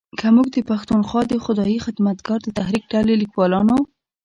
که موږ د پښتونخوا د خدایي خدمتګار د تحریک ډلې لیکوالانو